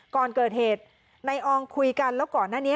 ก่อนเกิดเหตุนายอองคุยกันแล้วก่อนหน้านี้